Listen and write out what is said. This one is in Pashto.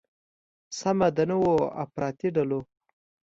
سیمه د نوو افراطي ډلو